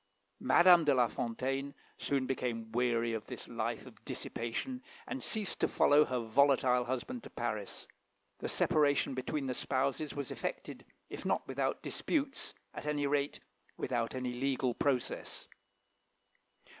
Madame de la Fontaine soon became weary of this life of dissipation, and ceased to follow her volatile husband to Paris. The separation between the spouses was effected, if not without disputes, at any rate without any legal process.